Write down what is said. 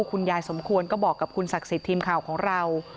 คุณยายสมควรก็บอกกับคุณศักดิ์สิทธิ์ทีมข่าวของเรา